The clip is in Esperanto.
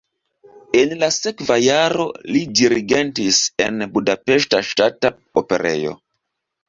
En la sekva jaro li dirigentis en Budapeŝta Ŝtata Operejo.